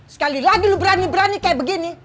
sekali lagi lu berani berani kayak begini